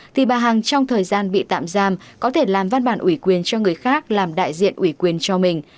thì bà hằng trong thời gian bị tạm giam có thể làm văn bản ủy quyền cho người khác làm đại diện ủy quyền cho mình